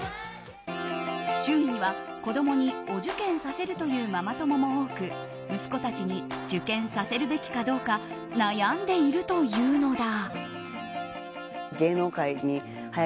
周囲には子供にお受験させるというママ友も多く息子たちに受験させるべきかどうか悩んでいるというのだ。